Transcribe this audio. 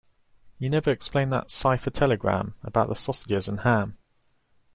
You never explained that cipher telegram about the sausages and ham.